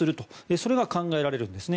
それが考えられるんですね。